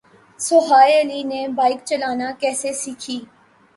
سوہائے علی نے بائیک چلانا کیسے سیکھی